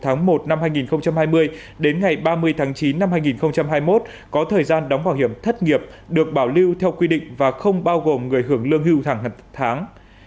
từ ngày một tháng một năm hai nghìn hai mươi đến ngày ba mươi tháng chín năm hai nghìn hai mươi một có thời gian đóng bảo hiểm thất nghiệp được bảo lưu theo quy định và không bao gồm người hưởng lương hưu thẳng tháng